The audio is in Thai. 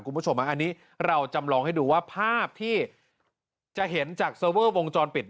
คุณผู้ชมอันนี้เราจำลองให้ดูว่าภาพที่จะเห็นจากเซอร์เวอร์วงจรปิด